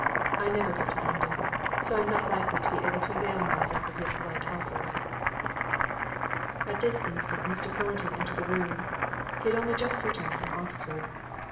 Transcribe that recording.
I never go to London; so I am not likely to be able to avail myself of your polite offers." At this instant Mr. Thornton entered the room; he had only just returned from Oxford.